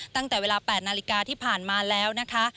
ตั้งแต่เวลา๘นาฬิกาที่ผ่านมาแล้วนะคะ